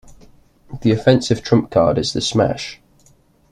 The offensive trump card is the smash.